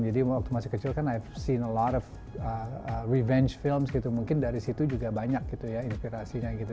jadi waktu masih kecil kan saya melihat banyak film revenge mungkin dari situ juga banyak inspirasinya